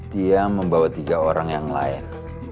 dia membawa tiga orang yang lain